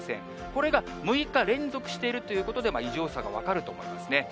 これが６日連続しているということで、異常さが分かると思いますね。